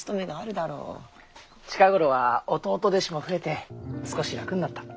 近頃は弟弟子も増えて少し楽になった。